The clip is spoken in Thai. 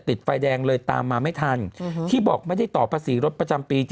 ติดไฟแดงเลยตามมาไม่ทันที่บอกไม่ได้ต่อภาษีรถประจำปี